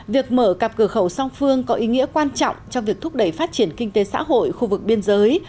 việc mở cặp cửa khẩu song phương có ý nghĩa quan trọng trong việc thúc đẩy phát triển kinh tế xã hội khu vực biên giới